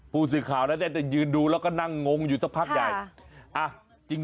ผู้สื่อข่าวนั้นจะยืนดูแล้วก็นั่งงงอยู่สักพักใหญ่